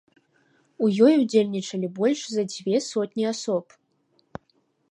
У ёй удзельнічалі больш за дзве сотні асоб.